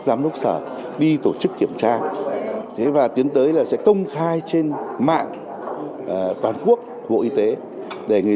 bệnh viện đi tổ chức kiểm tra thế và tiến tới là sẽ công khai trên mạng toàn quốc vụ y tế để người